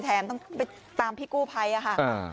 ต้องไปตามพี่กู้ไพรอาหาร